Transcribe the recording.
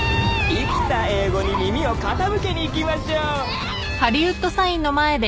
生きた英語に耳を傾けに行きましょうええぇー！